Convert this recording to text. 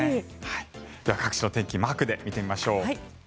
各地の天気マークで見てみましょう。